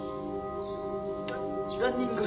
ラランニング。